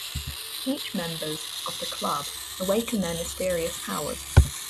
Each members of the club awaken their mysterious powers.